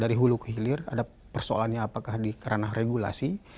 dari hulu ke hilir ada persoalannya apakah di kerana regulasi